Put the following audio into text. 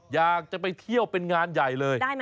อยากจะไปเที่ยวเป็นงานใหญ่เลย